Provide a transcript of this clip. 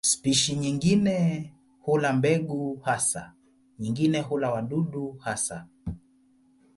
Spishi nyingine hula mbegu hasa, nyingine hula wadudu hasa.